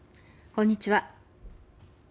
こんにちは。